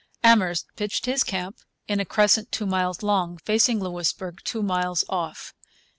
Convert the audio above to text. Amherst pitched his camp in a crescent two miles long, facing Louisbourg two miles off.